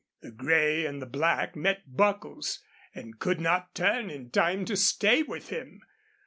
The gray and the black met Buckles and could not turn in time to stay with him.